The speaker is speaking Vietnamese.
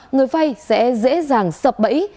người vay sẽ dễ dàng sập bẫy